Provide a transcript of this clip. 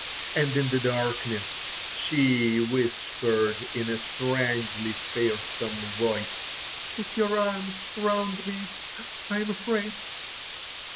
And in the darkness she whispered in a strangely fearsome voice: "Put your arms round me—I'm afraid."